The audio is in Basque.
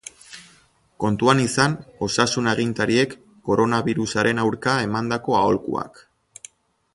Kontuan izan osasun-agintariek koronabirusaren aurka emandako aholkuak.